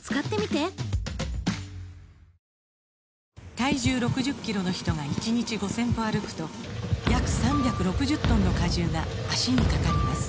体重６０キロの人が１日５０００歩歩くと約３６０トンの荷重が脚にかかります